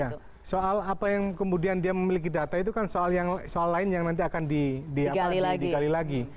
ya soal apa yang kemudian dia memiliki data itu kan soal lain yang nanti akan digali lagi